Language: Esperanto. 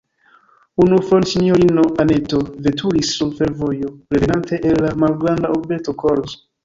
Unu fojon sinjorino Anneto veturis sur fervojo, revenante el la malgranda urbeto Kolz.